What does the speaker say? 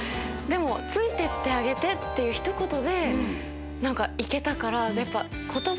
でも「ついて行ってあげて」っていうひと言で何か行けたからやっぱ。